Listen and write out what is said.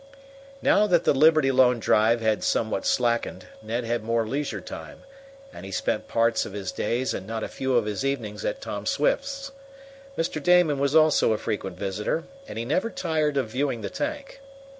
Now that the Liberty Loan drive had somewhat slackened, Ned had more leisure time, and he spent parts of his days and not a few of his evenings at Tom Swift's. Mr. Damon was also a frequent visitor, and he never tired of viewing the tank.